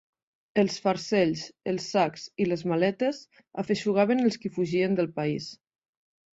Els farcells, els sacs i les maletes afeixugaven els qui fugien del país.